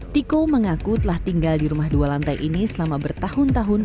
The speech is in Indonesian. tiko mengaku telah tinggal di rumah dua lantai ini selama bertahun tahun